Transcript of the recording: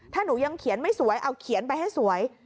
ถ้าหนูยังเขียนไม่สวยเอาเขียนไปให้สวย